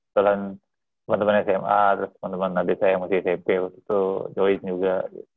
selain teman teman sma terus teman teman adik saya yang masih smp waktu itu join juga